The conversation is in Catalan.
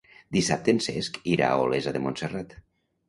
Dissabte en Cesc irà a Olesa de Montserrat.